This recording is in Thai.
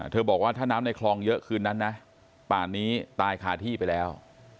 บอกว่าถ้าน้ำในคลองเยอะคืนนั้นนะป่านนี้ตายคาที่ไปแล้ว